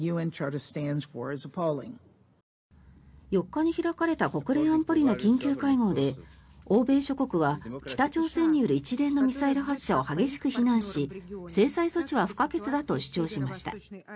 ４日に開かれた国連安保理の緊急会合で欧米諸国は、北朝鮮による一連のミサイル発射を激しく非難し制裁措置は不可欠だと主張しました。